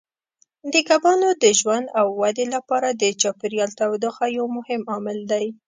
د کبانو د ژوند او ودې لپاره د چاپیریال تودوخه یو مهم عامل دی.